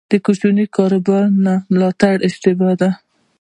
د کوچني کاروبار نه ملاتړ اشتباه ده.